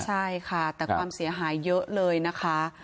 ใช่ค่ะแต่ความเสียหายเยอะเลยนะคะ